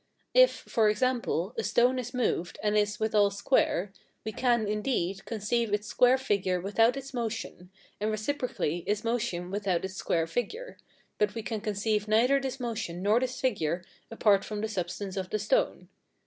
If, for example, a stone is moved, and is withal square, we can, indeed, conceive its square figure without its motion, and reciprocally its motion without its square figure; but we can conceive neither this motion nor this figure apart from the substance of the stone.